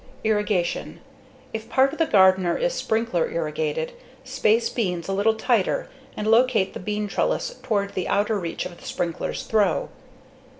Irrigation: If part of the garden is sprinkler irrigated, space beans a little tighter and locate the bean trellis toward the outer reach of the sprinkler's throw.